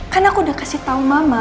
kan aku udah kasih tau mama